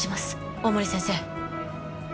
大森先生。